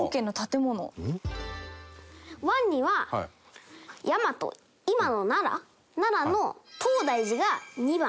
「和二」は大和今の奈良奈良の東大寺が２番。